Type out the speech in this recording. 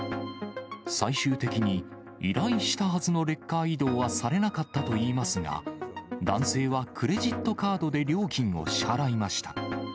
最終的に、依頼したはずのレッカー移動はされなかったといいますが、男性はクレジットカードで料金を支払いました。